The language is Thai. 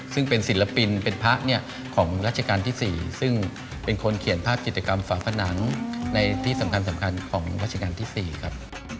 ซึ่งเป็นศิลปินเป็นพระเนี่ยของราชการที่๔ซึ่งเป็นคนเขียนภาพกิจกรรมฝาผนังในที่สำคัญของราชการที่๔ครับ